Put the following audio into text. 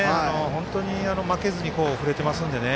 本当に負けずに振れてますんでね。